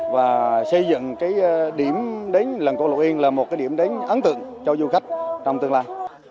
và xây dựng cái điểm đến làng cổ lộc yên là một điểm đến ấn tượng cho du khách trong tương lai